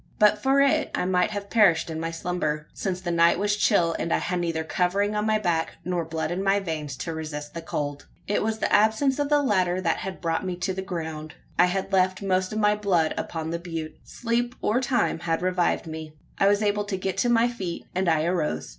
But for it, I might have perished in my slumber: since the night was chill, and I had neither covering on my back, nor blood in my veins, to resist the cold. It was the absence of the latter that had brought me to the ground. I had left most of my blood upon the butte. Sleep or time had revived me. I was able to get to my feet; and I arose.